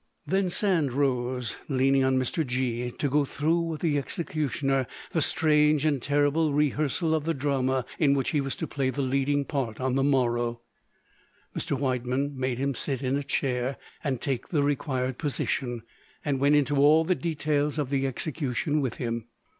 Then Sand rose, leaning on Mr. G——, to go through with the executioner the strange and terrible rehearsal of the drama in which he was to play the leading part on the morrow. Mr. Widemann made him sit in a chair and take the required position, and went into all the details of the execution with him.